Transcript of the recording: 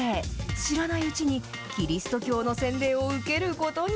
知らないうちにキリスト教の洗礼を受けることに。